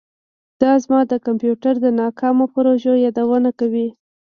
دا زما د کمپیوټر د ناکامو پروژو یادونه کوي